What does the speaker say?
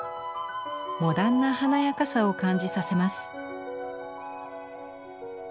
モダンな華やかさを感じさせます。